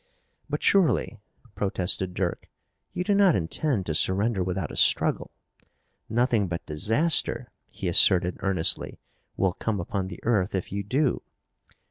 "But surely," protested Dirk, "you do not intend to surrender without a struggle! Nothing but disaster," he asserted earnestly, "will come upon the earth if you do.